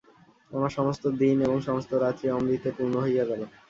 আমার সমস্ত দিন এবং সমস্ত রাত্রি অমৃতে পূর্ণ হইয়া গেল।